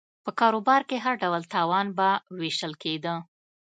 په کاروبار کې هر ډول تاوان به وېشل کېده